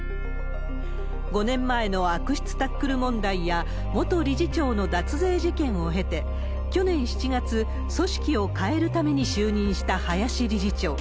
５年前の悪質タックル問題や、元理事長の脱税事件を経て、去年７月、組織を変えるために就任した林理事長。